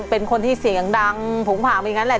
เป็นคนที่เสียงดังพุงผักอะไรอย่างนั้นแล้ว